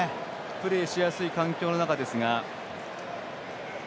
プレーしやすい環境の中ですが。